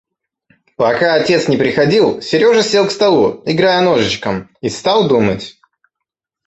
Пока отец не приходил, Сережа сел к столу, играя ножичком, и стал думать.